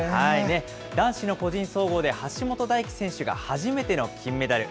男子の個人総合で橋本大輝選手が初めての金メダル。